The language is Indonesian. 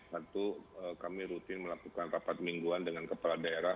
satu kami rutin melakukan rapat mingguan dengan kepala daerah